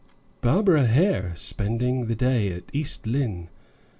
Barbara Hare spending the day at East Lynne!